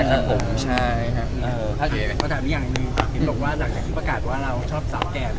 ถ้าถามให้อย่างนี้ฝากทิมปะกาศว่ารักให้พวกเราชอบสาวแก่น